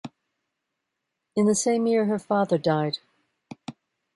In the same year, her father died.